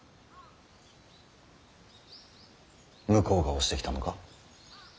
向こうが押してきたのか。